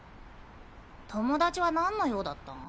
友達は何の用だったん？